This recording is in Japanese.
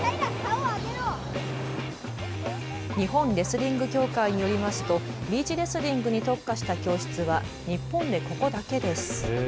日本レスリング協会によりますとビーチレスリングに特化した教室は日本でここだけです。